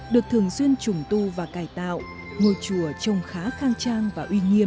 được thường xuyên trùng tu và cải tạo ngôi chùa trông khá khang trang và uy nghiêm